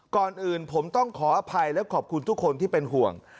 ก่อนอื่นผมต้องขออภัยและขอบคุณทุกคนที่เป็นห่วง